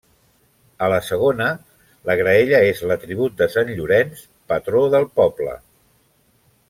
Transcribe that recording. A la segona, la graella és l'atribut de sant Llorenç, patró del poble.